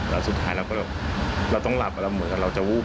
แล้วสุดท้ายเราก็เราต้องหลับเหมือนว่าเราจะวูบ